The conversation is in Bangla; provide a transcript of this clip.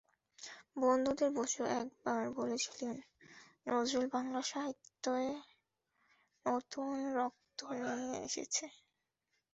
বুদ্ধদেব বসু একবার বলেছিলেন, নজরুল বাংলা সাহিত্যে নতুন রক্ত নিয়ে এসেছেন।